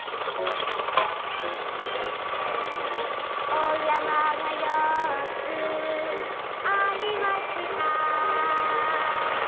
「お山が４つありました」